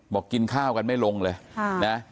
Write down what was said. กินข้าวกันไม่ลงเลยนะ